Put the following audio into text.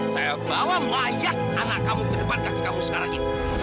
saya bawa mayat anak kamu ke depan kaki kamu sekarang ini